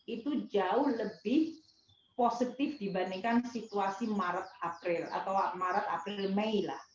itu jauh lebih positif dibandingkan situasi maret april atau maret april mei lah